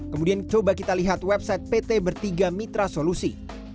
kemudian coba kita lihat website pt bertiga mitra solusi